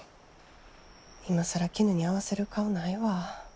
今更キヌに合わせる顔ないわ。